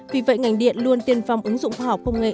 vì vậy ngành điện luôn tiên phong ứng dụng khoa học công nghệ